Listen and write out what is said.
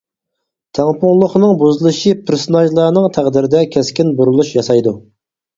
تەڭپۇڭلۇقنىڭ بۇرۇلۇشى پېرسوناژلارنىڭ تەقدىرىدە كەسكىن بۇرۇلۇش ياسايدۇ.